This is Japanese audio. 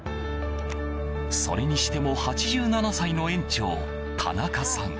それにしても８７歳の園長田中さん